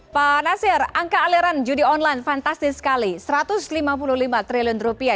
pak nasir angka aliran judi online fantastis sekali satu ratus lima puluh lima triliun rupiah